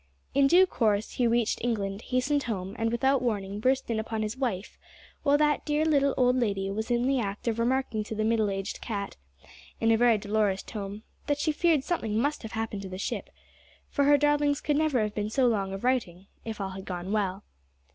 In due course he reached England, hastened home, and, without warning, burst in upon his wife while that dear little old lady was in the act of remarking to the middle aged cat, in a very dolorous tone, that she feared something must have happened to the ship, for her darlings could never have been so long of writing if all had gone well.